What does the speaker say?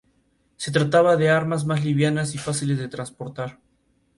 Desde muy joven se interesó por la música.